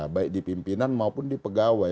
baik di pimpinan maupun di pegawai